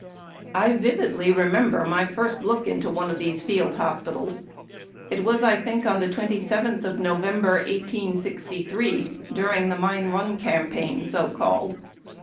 I vividly remember my first look into one of these field hospitals. It was, I think, on the 27th of November, 1863, during the Mine Run Campaign, so called.